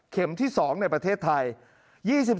เข็มที่๒ในประเทศไทย